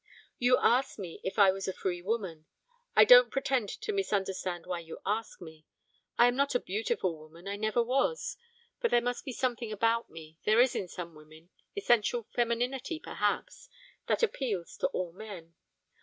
'You asked me if I was a free woman. I don't pretend to misunderstand why you asked me. I am not a beautiful woman, I never was. But there must be something about me, there is in some women, "essential femininity" perhaps, that appeals to all men.